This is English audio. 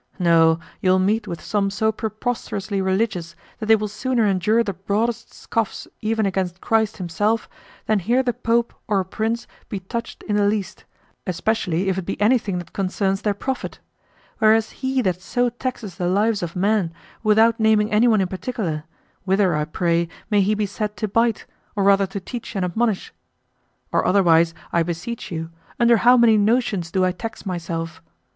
No, you'll meet with some so preposterously religious that they will sooner endure the broadest scoffs even against Christ himself than hear the Pope or a prince be touched in the least, especially if it be anything that concerns their profit; whereas he that so taxes the lives of men, without naming anyone in particular, whither, I pray, may he be said to bite, or rather to teach and admonish? Or otherwise, I beseech you, under how many notions do I tax myself?